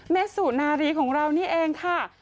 สุนารีของเรานี่เองค่ะ